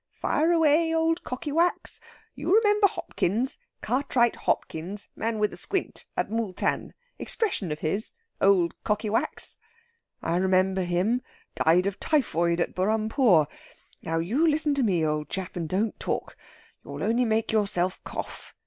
"Fire away, old Cockywax! You remember Hopkins? Cartwright Hopkins man with a squint at Mooltan expression of his, 'Old Cockywax.'" "I remember him. Died of typhoid at Burrampore. Now you listen to me, old chap, and don't talk you only make yourself cough."